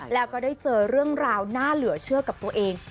แล้วก็ได้เจอเรื่องราวน่าเหลือเชื่อกับตัวเอง